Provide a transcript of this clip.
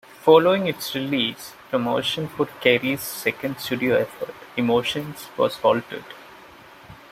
Following its release, promotion for Carey's second studio effort "Emotions" was halted.